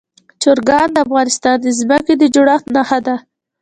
چرګان د افغانستان د ځمکې د جوړښت نښه ده.